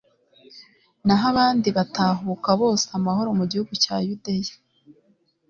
naho abandi batahuka bose amahoro mu gihugu cya yudeya